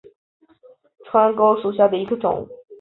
川北钩距黄堇为罂粟科紫堇属下的一个种。